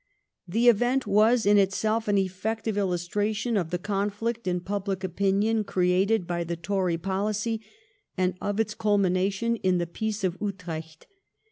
The event was in itself an effective illustration of the conflict in public opinion created by the Torj? policy, and of its culmination in the Peace of Utrecht.